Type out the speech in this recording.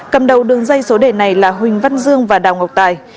cầm đầu đường dây số đề này là huỳnh văn dương và đào ngọc tài